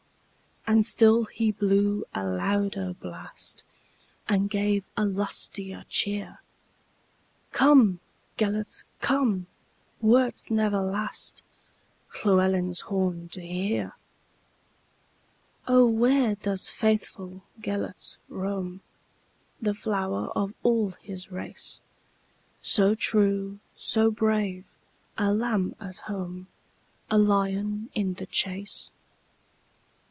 And still he blew a louder blast, And gave a lustier cheer:"Come, Gêlert, come, wert never lastLlewelyn's horn to hear."O, where doth faithful Gêlert roam, The flower of all his race, So true, so brave,—a lamb at home,A lion in the chase?"